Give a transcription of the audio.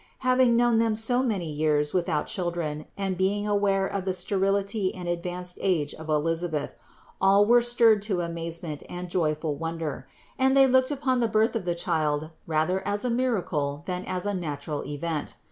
Having known them so many years without children and being aware of the sterility and advanced age of Elisabeth, all were stirred to amazement and joyful wonder, and they looked upon the birth of the child rather as a miracle than as a natural event.